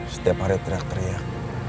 setiap hari teriak teriak